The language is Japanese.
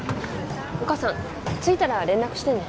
お母さん着いたら連絡してね